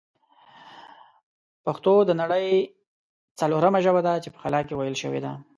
پښتو د نړۍ ځلورمه ژبه ده چې په خلا کښې ویل شوې ده